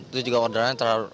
terus juga orderannya terlalu rame